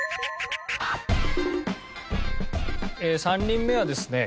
３人目はですね